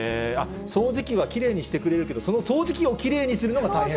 掃除機はきれいにしてくれるけど、その掃除機をきれいにするのが大変だと。